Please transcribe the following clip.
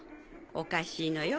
おかしいのよ